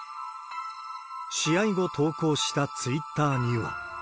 試合後、投稿したツイッターには。